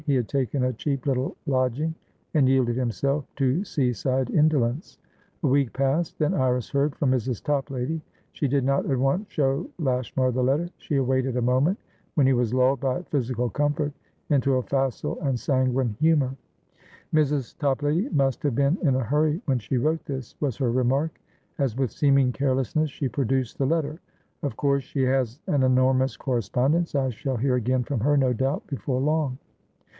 He had taken a cheap little lodging, and yielded himself to sea side indolence. A week passed, then Iris heard from Mrs. Toplady. She did not at once show Lashmar the letter; she awaited a moment when he was lulled by physical comfort into a facile and sanguine humour. "Mrs. Toplady must have been in a hurry when she wrote this," was her remark, as, with seeming carelessness, she produced the letter. "Of course she has an enormous correspondence. I shall hear again from her, no doubt, before long."